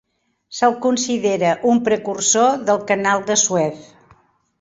Se'l considera un precursor del Canal de Suez.